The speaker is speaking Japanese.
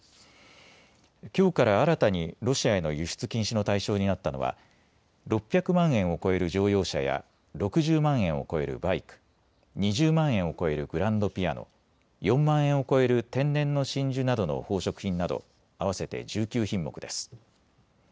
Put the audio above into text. きょうから新たにロシアへの輸出禁止の対象になったのは６００万円を超える乗用車や６０万円を超えるバイク、２０万円を超えるグランドピアノ、４万円を超える天然の真珠などの宝飾品など合わせて１９品目です。